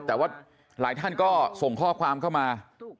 แต่ว่าหลายท่านก็ส่งข้อความเข้ามา